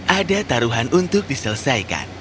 ada taruhan untuk diselesaikan